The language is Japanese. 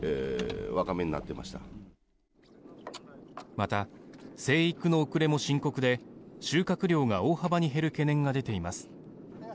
また、生育の遅れも深刻で収穫量が大幅に減る懸念が出ています。